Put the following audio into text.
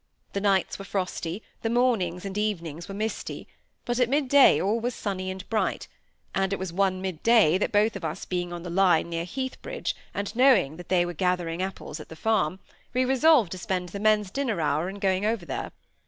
The nights were frosty, the mornings and evenings were misty, but at mid day all was sunny and bright, and it was one mid day that both of us being on the line near Heathbridge, and knowing that they were gathering apples at the farm, we resolved to spend the men's dinner hour in going over there.